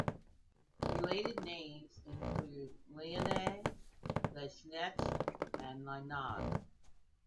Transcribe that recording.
Related names include Leaneagh, Laighneach, and Lynagh.